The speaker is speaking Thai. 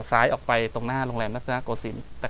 กลับมาที่สุดท้ายและกลับมาที่สุดท้าย